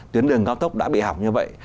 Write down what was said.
tuyến đường cao tốc đã bị hỏng như vậy